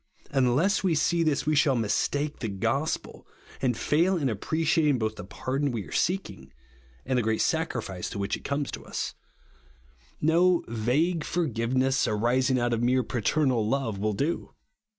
Unless Ave see this we shall mis take the gospel, and fail in appreciating both the pardon we are seeking, and the m'ry^i sacrifice throuo^h which it comes to 2 D 42 RIGHTEOUS GRACE. US. No vague forgiveness, arising out of mere paternal love, will do.